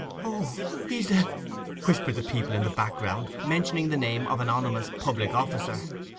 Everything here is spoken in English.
'O, he's the—!' whispered the people in the background, mentioning the name of an ominous public officer.